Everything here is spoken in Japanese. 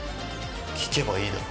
聞けばいいだろ。